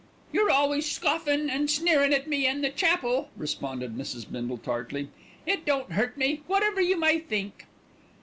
"You're always scoffin' and sneerin' at me an' the chapel," responded Mrs. Bindle tartly. "It don't hurt me, whatever you may think."